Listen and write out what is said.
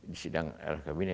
di sidang rkb ini